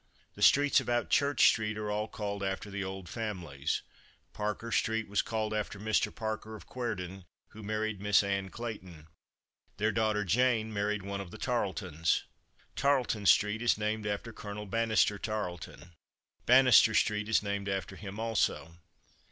The streets about Church street are all called after the old families. Parker street was called after Mr. Parker, of Cuerdon, who married Miss Ann Clayton. Their daughter Jane married one of the Tarletons. Tarleton street is named after Colonel Banastre Tarleton. Banastre street is named after him also.